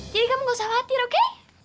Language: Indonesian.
jadi kamu gak usah khawatir oke